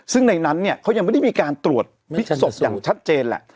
ซึ่งในนั้นเนี่ยเขายังไม่ได้มีการตรวจพิษศพอย่างชัดเจนแหละ